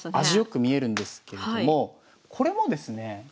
味良く見えるんですけれどもこれもですねえ